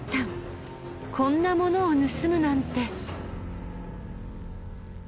こんなものを盗むなんて。